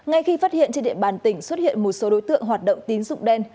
ngay khi phát hiện trên địa bàn tỉnh xuất hiện một số đối tượng hoạt động tín dụng đen